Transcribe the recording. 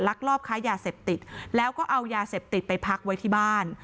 ลอบค้ายาเสพติดแล้วก็เอายาเสพติดไปพักไว้ที่บ้าน